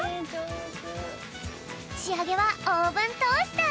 しあげはオーブントースター。